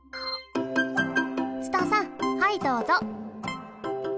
ツタさんはいどうぞ。